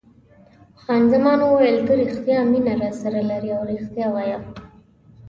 خان زمان وویل: ته رښتیا مینه راسره لرې او رښتیا وایه.